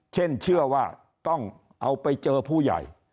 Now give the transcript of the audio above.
เช่นเชื่อว่าต้องเอาไปเจอผู้ใหญ่